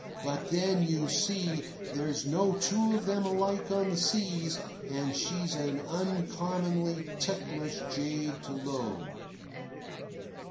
But then, you see, there's no two of them alike on the seas, and she's an uncommonly ticklish jade to load."